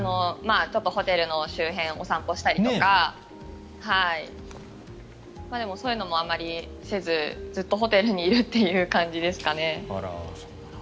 ホテルの周辺をお散歩したりとかでもそういうのもあまりせずずっとホテルにいるという感じですかね。